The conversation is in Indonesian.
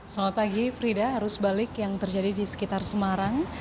selamat pagi frida arus balik yang terjadi di sekitar semarang